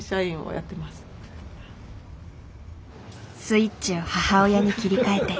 スイッチを母親に切り替えて。